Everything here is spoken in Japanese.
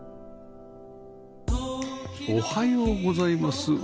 おはようございます。